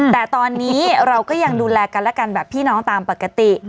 แต่ตอนนี้เราก็ยังดูแลกันและกันแบบพี่น้องตามปกติ